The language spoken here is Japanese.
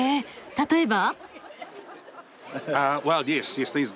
例えば？